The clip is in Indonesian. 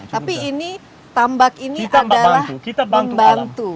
tapi ini tambak ini adalah membantu